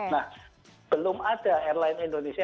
nah belum ada airline indonesia